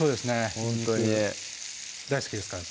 ほんとに大好きですか？